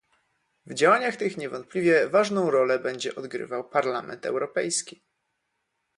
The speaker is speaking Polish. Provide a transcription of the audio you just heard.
W działaniach tych niewątpliwie ważną rolę będzie odgrywał Parlament Europejski